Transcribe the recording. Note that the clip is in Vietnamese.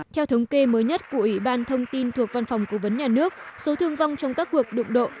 theo thống kê mới nhất của ủy ban thông tin thuộc văn phòng cố vấn nhà nước số thương vong trong các cuộc đụng độ